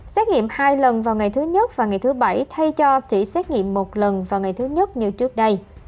xét nghiệm hai lần vào ngày thứ nhất và ngày thứ bảy thay cho chỉ xét nghiệm một lần vào ngày thứ nhất như trước đây